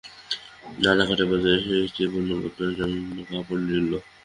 রানাঘাটের বাজারে সে স্ত্রী ও পুত্রকন্যার জন্য কাপড় কিনিল।